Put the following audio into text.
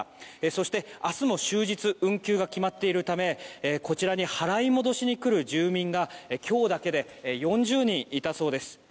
そして、明日も終日運休が決まっているためこちらに払い戻しに来る住民が今日だけで４０人いたそうです。